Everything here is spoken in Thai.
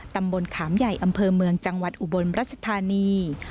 ตำบลขามใหญ่อำเภอเมืองจังหวัดอุบลรัชธานี